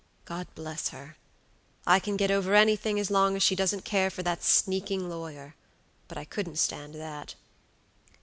God bless her! I can get over anything as long as she doesn't care for that sneaking lawyer. But I couldn't stand that."